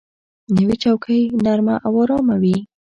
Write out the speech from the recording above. نوې چوکۍ نرمه او آرامه وي